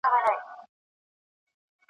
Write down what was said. د زمان هري شېبې ته انتها سته .